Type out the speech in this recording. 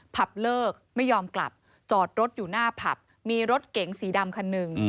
ผับเลิกไม่ยอมกลับจอดรถอยู่หน้าผับมีรถเก๋งสีดำคันหนึ่ง